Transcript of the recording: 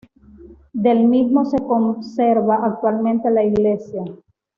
Del mismo se conserva actualmente la iglesia.